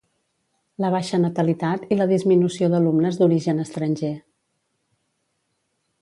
La baixa natalitat i la disminució d'alumnes d'origen estranger.